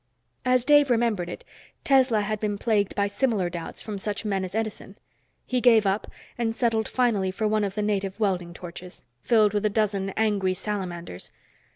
As Dave remembered it, Tesla had been plagued by similar doubts from such men as Edison. He gave up and settled finally for one of the native welding torches, filled with a dozen angry salamanders.